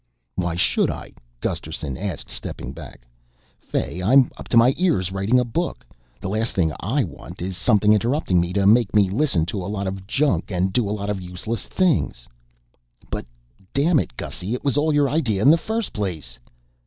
"Why should I?" Gusterson asked, stepping back. "Fay, I'm up to my ears writing a book. The last thing I want is something interrupting me to make me listen to a lot of junk and do a lot of useless things." "But, dammit, Gussy! It was all your idea in the first place!"